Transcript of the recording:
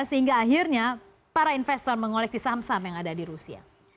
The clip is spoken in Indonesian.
sehingga akhirnya para investor mengoleksi saham saham yang ada di rusia